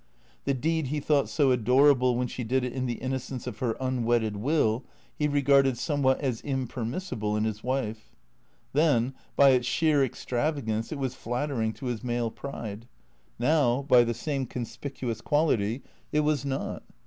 The deed he thought so adorable when she did it in the innocence of her unwedded will, he regarded some how as impermissible in his wife. Then, by its sheer extrava gance, it was flattering to his male pride ; now, by the same con spicuous quality, it was not.